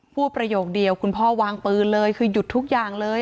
ประโยคเดียวคุณพ่อวางปืนเลยคือหยุดทุกอย่างเลย